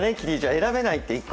選べないって１個。